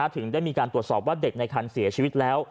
ถึงได้มีการตรวจสอบว่าเด็กในคันเสียชีวิตแล้ว